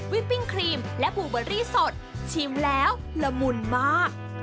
ปิ้งครีมและบูเบอรี่สดชิมแล้วละมุนมาก